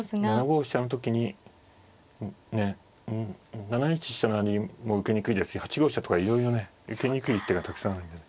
７五飛車の時に７一飛車成も受けにくいですし８五飛車とかいろいろね受けにくい手がたくさんある。